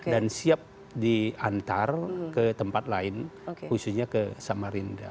dan siap diantar ke tempat lain khususnya ke samarinda